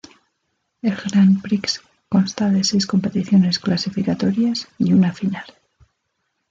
El Grand Prix consta de seis competiciones clasificatorias y una final.